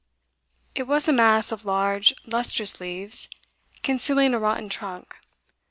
It was a mass of large, lustrous leaves, concealing a rotten trunk.